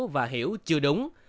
và hiểu chưa đúng